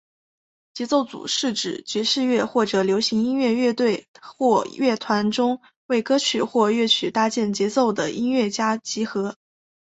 节奏组是指在爵士乐或者流行音乐乐队或乐团中为歌曲或乐曲搭建节奏的音乐家集合。